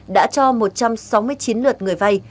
đã cho một trăm sáu mươi chín lượt người vay